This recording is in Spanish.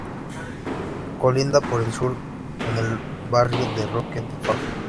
Colinda por el Sur con el barrio de Roque del Faro.